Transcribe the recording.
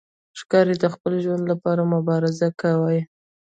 ښکاري د خپل ژوند لپاره مبارزه کوي.